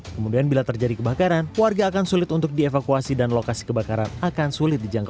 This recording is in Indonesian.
kemudian bila terjadi kebakaran warga akan sulit untuk dievakuasi dan lokasi kebakaran akan sulit dijangkau